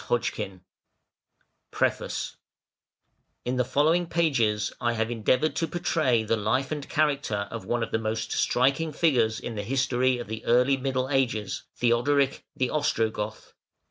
PREFACE In the following pages I have endeavoured to portray the life and character of one of the most striking figures in the history of the Early Middle Ages, Theodoric the Ostrogoth.